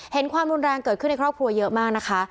ความรุนแรงเกิดขึ้นในครอบครัวเยอะมากนะคะ